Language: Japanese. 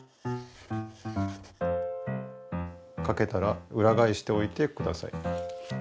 書けたらうらがえしておいてください。